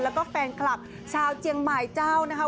แล้วก็แฟนคลับชาวเจียงใหม่เจ้านะคะ